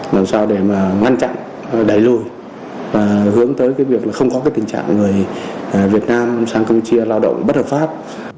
làm sao để mà ngăn chặn đẩy lùi và hướng tới cái việc là không có cái tình trạng người việt nam sang campuchia lao động bất hợp pháp